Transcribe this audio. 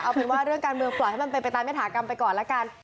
เอาเป็นว่าเรื่องการเมืองปล่อยให้มันเป็นไปตามยฐากรรมไปก่อนละกัน